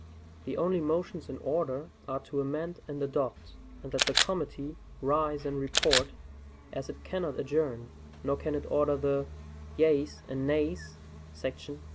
The only motions in order are to amend and adopt, and that the committee "rise and report," as it cannot adjourn; nor can it order the "yeas and nays" [§ 38].